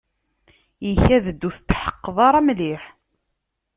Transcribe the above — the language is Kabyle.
Ikad-d ur tetḥeqqeḍ ara mliḥ.